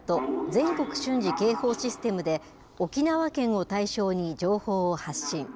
・全国瞬時警報システムで、沖縄県を対象に情報を発信。